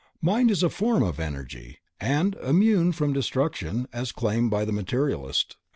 Mind is a form of energy, and immune from destruction as claimed by the materialist.